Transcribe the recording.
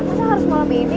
masa harus malam ini